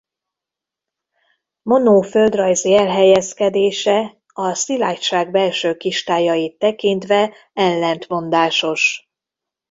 Monó földrajzi elhelyezkedése a Szilágyság belső kistájait tekintve ellentmondásos.